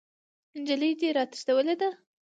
نجلۍ دې راتښتولې ده!